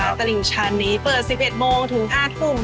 วันนี้เปิด๑๑โมงถึงอาทุ่ม